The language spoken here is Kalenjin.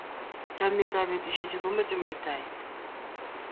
chomnyetab betusiechu komache mitaiyet